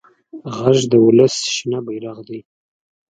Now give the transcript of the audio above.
غږ د ولس شنه بېرغ دی